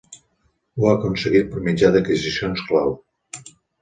Ho ha aconseguit per mitjà d"adquisicions clau.